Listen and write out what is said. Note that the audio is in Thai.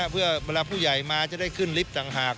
เพื่อเวลาผู้ใหญ่มาจะได้ขึ้นลิฟต์ต่างหาก